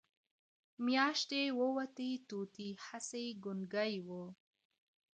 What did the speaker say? میاشتي ووتې طوطي هسی ګونګی وو